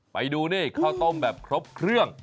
ไปดูครับเข้าต้มแบบครบเครื่อง